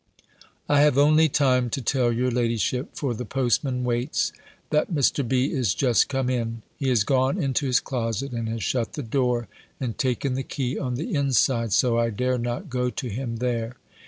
I have only time to tell your ladyship (for the postman waits) that Mr. B. is just come in. He is gone into his closet, and has shut the door, and taken the key on the inside; so I dare not go to him there.